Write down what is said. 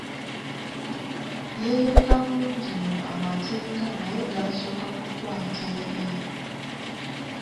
Yeeyoleka bulungi mu amateeka naye gaasooka ku kwata ye.